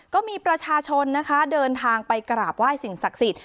ก็มีประชาชนนะคะเดินทางไปกราบไหว้สิ่งศักดิ์สิทธิ